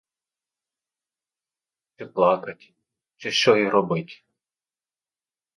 Чи плакать, чи що й робить?